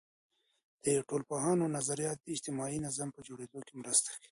د ټولنپوهانو نظریات د اجتماعي نظم په جوړیدو کي مرسته کوي.